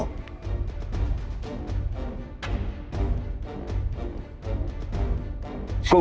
bắt giữ đối tượng